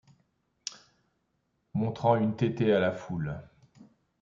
Montrant une tété à la foule !